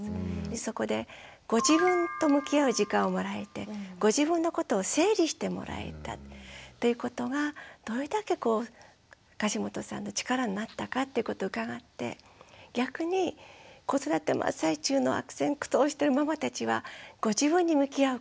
そこでご自分と向き合う時間をもらえてご自分のことを整理してもらえたということがどれだけ樫本さんの力になったかってことを伺って逆に子育て真っ最中の悪戦苦闘してるママたちはご自分に向き合うこと